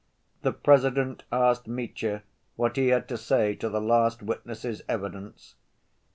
The President asked Mitya what he had to say to the last witness's evidence.